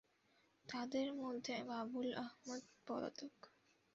তাঁদের মধ্যে বাবুল আহমদ পলাতক।